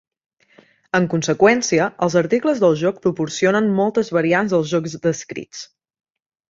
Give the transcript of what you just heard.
En conseqüència, els articles del joc proporcionen moltes variants dels jocs descrits.